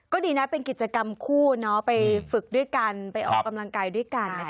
ก็ดีนะเป็นกิจกรรมคู่เนาะไปฝึกด้วยกันไปออกกำลังกายด้วยกัน